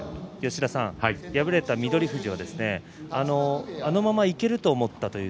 敗れた翠富士はあのままいけると思った。